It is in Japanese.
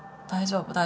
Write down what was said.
大丈夫。